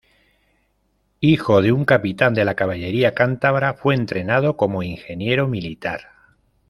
Hijo de un capitán de la caballería cántabra, fue entrenado como ingeniero militar.